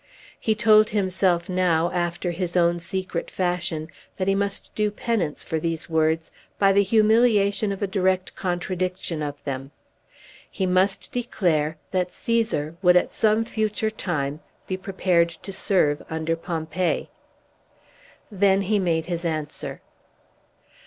He told himself now, after his own secret fashion, that he must do penance for these words by the humiliation of a direct contradiction of them. He must declare that Cæsar would at some future time be prepared to serve under Pompey. Then he made his answer.